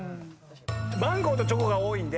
マンゴーとチョコが多いんで。